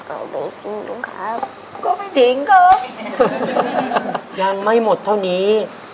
เอาไปทิ้งด้วยครับก็ไปทิ้งครับยานไม่หมดเท่านี้